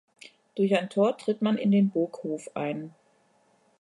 Durch ein Tor tritt man in den Burghof ein.